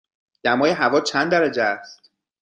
دمای هوا چند درجه است؟